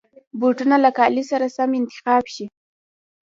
بوټونه له کالي سره سم انتخاب شي.